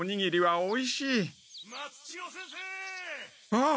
あっ！